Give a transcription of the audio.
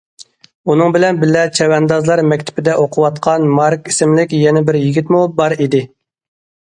ئۇنىڭ بىلەن بىللە چەۋەندازلار مەكتىپىدە ئوقۇۋاتقان مارك ئىسىملىك يەنە بىر يىگىتمۇ بار ئىدى.